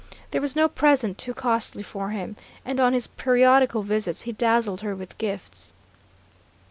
There was no present too costly for him, and on his periodical visits he dazzled her with gifts.